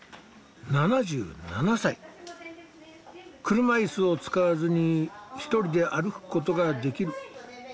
車いすを使わずに１人で歩くことができる。